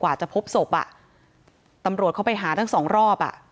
จะพบศพอ่ะตำรวจเขาไปหาทั้งสองรอบอ่ะ